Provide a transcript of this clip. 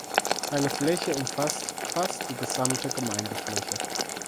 Seine Fläche umfasst fast die gesamte Gemeindefläche.